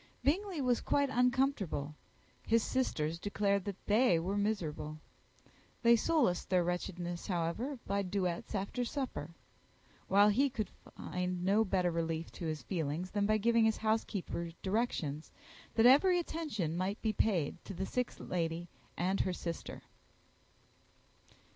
Bingley was quite uncomfortable; his sisters declared that they were miserable. They solaced their wretchedness, however, by duets after supper; while he could find no better relief to his feelings than by giving his housekeeper directions that every possible attention might be paid to the sick lady and her sister.